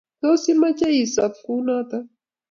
Tos, imache isob kunoto?